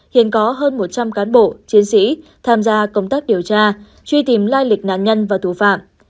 hiện có hơn một trăm linh cán bộ chiến sĩ tham gia công tác điều tra truy tìm lai lịch nạn nhân và thủ phạm